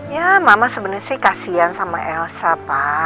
ya mama sebenarnya sih kasihan sama elsa pa